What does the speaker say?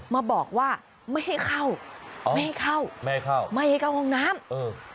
มาบอกว่าไม่ให้เข้าอ๋อไม่ให้เข้าไม่ให้เข้าไม่ให้เข้าห้องน้ำเออ